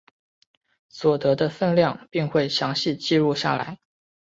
所得的份量并会详细记录下来。